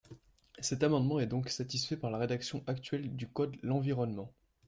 Cet amendement est donc satisfait par la rédaction actuelle du code l’environnement.